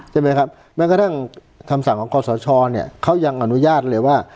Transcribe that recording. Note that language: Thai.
ใช่ไหมครับแม้กระทั่งคำสั่งของคอสชเนี่ยเขายังอนุญาตเลยว่า